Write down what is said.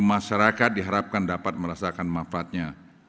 masyarakat diharapkan dapat merasakan manfaatnya